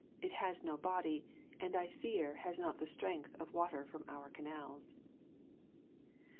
It has no body, and I fear has not the strength of the water from our canals."